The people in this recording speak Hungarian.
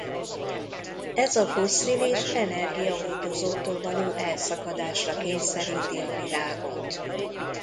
Ez a fosszilis energiahordozóktól való elszakadásra kényszeríti a világot.